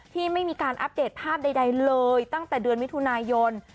ที่ไม่มีการอัปเดตภาพใดเลยตั้งแต่เดือนมิถุนายน